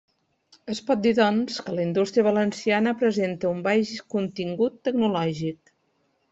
Es pot dir, doncs, que la indústria valenciana presenta un baix contingut tecnològic.